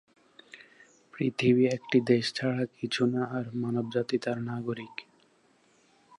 পৃথিবী একটি দেশ ছাড়া কিছু না আর মানবজাতি তার নাগরিক।